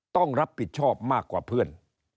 ต้องรับผิดชอบมากกว่าเพื่อน